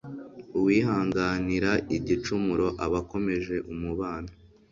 uwihanganira igicumuro aba akomeje umubano